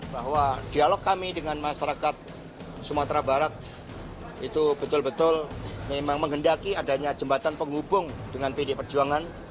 bahwa dialog kami dengan masyarakat sumatera barat itu betul betul memang menghendaki adanya jembatan penghubung dengan pd perjuangan